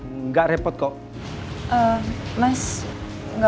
hai mbak kita ke kamar dulu yuk kok ke kamar sih invoke jadi arrivederci sell